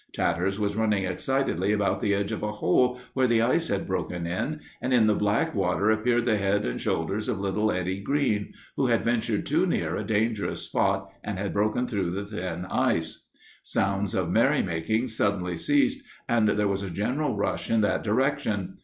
Tatters was running excitedly about the edge of a hole where the ice had broken in, and in the black water appeared the head and shoulders of little Eddie Greene, who had ventured too near a dangerous spot and had broken through the thin ice. The sounds of merrymaking suddenly ceased, and there was a general rush in that direction.